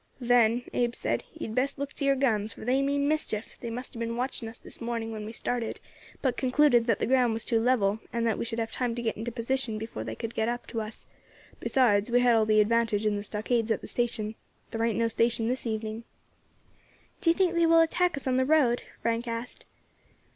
"Then," Abe said, "ye had best look to yer guns, for they mean mischief; they must have been watching us this morning when we started, but concluded that the ground was too level, and that we should have time to get into position before they could get up to us, besides we had all the advantage in the stockades at the station. There ain't no station this evening." "Do you think they will attack us on the road?" Frank asked.